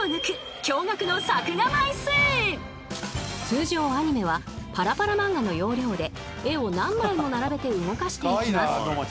［通常アニメはパラパラ漫画の要領で絵を何枚も並べて動かしていきます］